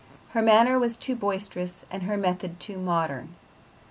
Her manner was too boisterous and her method too modern.